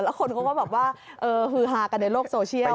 แล้วคนเขาก็แบบว่าฮือฮากันในโลกโซเชียล